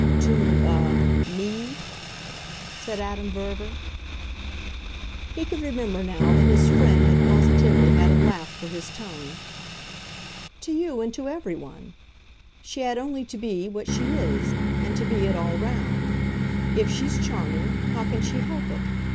"To a ME?" said Adam Verver. He could remember now that his friend had positively had a laugh for his tone. "To you and to every one. She had only to be what she is and to be it all round. If she's charming, how can she help it?